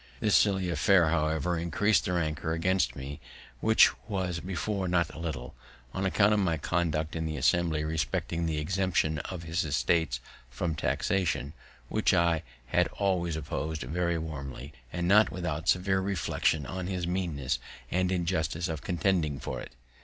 This silly affair, however, greatly increased his rancour against me, which was before not a little, on account of my conduct in the Assembly respecting the exemption of his estate from taxation, which I had always oppos'd very warmly, and not without severe reflections on his meanness and injustice of contending for it.